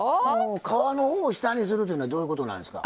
皮の方を下にするっていうのはどういうことなんですか？